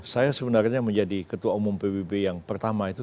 saya sebenarnya menjadi ketua umum pbb yang pertama itu